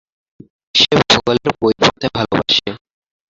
সে ভূগোলের বই পড়তে ভালবাসে।